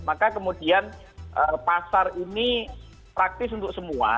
maka kemudian pasar ini praktis untuk semua